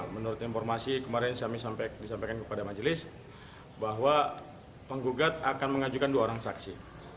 menurut informasi kemarin kami disampaikan kepada majelis bahwa penggugat akan mengajukan dua orang saksi